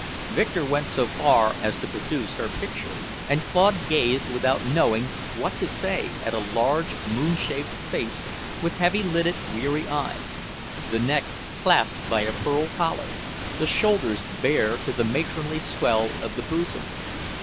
Victor went so far as to produce her picture, and Claude gazed without knowing what to say at a large moon shaped face with heavy lidded, weary eyes, the neck clasped by a pearl collar, the shoulders bare to the matronly swell of the bosom.